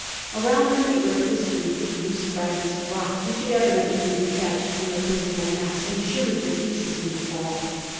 Around them the earth was heaped with loose fragments of rock which had evidently been detached from the principal mass and shivered to pieces in the fall.